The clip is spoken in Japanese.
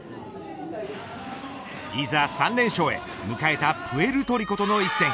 いざ３連勝へ迎えたプエルトリコとの一戦。